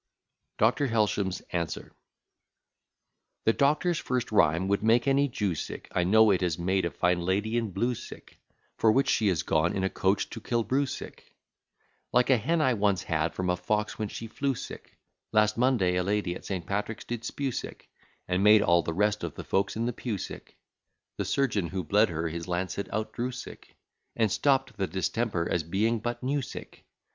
DR. HELSHAM'S ANSWER The Doctor's first rhyme would make any Jew sick: I know it has made a fine lady in blue sick, For which she is gone in a coach to Killbrew sick, Like a hen I once had, from a fox when she flew sick: Last Monday a lady at St. Patrick's did spew sick: And made all the rest of the folks in the pew sick, The surgeon who bled her his lancet out drew sick, And stopp'd the distemper, as being but new sick.